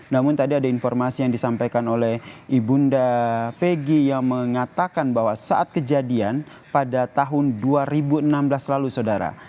namun tadi ada informasi yang disampaikan oleh ibu nda pegi yang mengatakan bahwa saat kejadian pada tahun dua ribu enam belas lalu saudara